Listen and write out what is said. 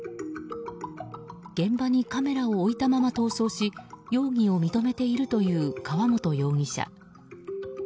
現場にカメラを置いたまま逃走し容疑を認めているという川本容疑者。